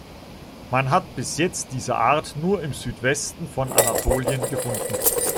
Man hat bis jetzt diese Art nur im Südwesten von Anatolien gefunden.